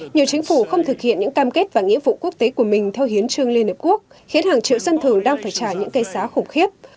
nhiều chính phủ không thực hiện những cam kết và nghĩa vụ quốc tế của mình theo hiến trương liên hợp quốc khiến hàng triệu dân thường đang phải trả những cây xá khủng khiếp